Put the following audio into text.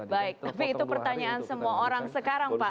baik tapi itu pertanyaan semua orang sekarang pak